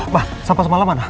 ma sampah semalam mana